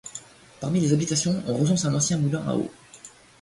Parmi les habitations, on recense un ancien moulin à eau.